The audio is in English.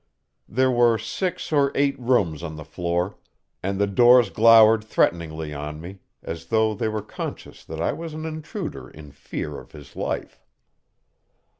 There were six or eight rooms on the floor, and the doors glowered threateningly on me, as though they were conscious that I was an intruder in fear of his life.